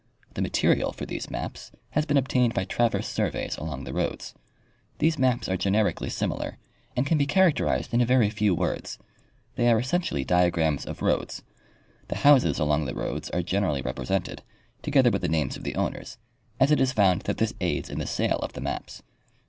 The material for these maps has been obtained by traverse surveys along the roads. These maps are generically similar, and can be characterized in a very few words. They are essentially diagrams of roads. The houses along the roads are generally represented, together with the names of the owners, as it is found that this aids in the sale of the maps.